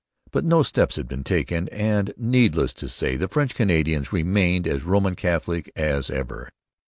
But no steps had been taken, and, needless to say, the French Canadians remained as Roman Catholic as ever.